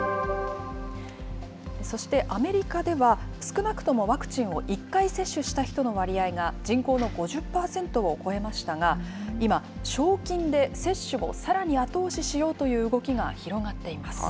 そしてアメリカでは、少なくともワクチンを１回接種した人の割合が、人口の５０％を超えましたが、今、賞金で接種をさらに後押ししようという動きが広がっています。